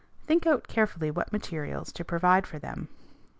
Think out carefully what materials to provide for them.